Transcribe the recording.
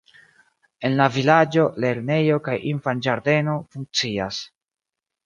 En la vilaĝo lernejo kaj infanĝardeno funkcias.